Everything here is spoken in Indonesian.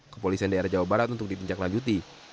kepolisian daerah jawa barat untuk ditinjak lanjuti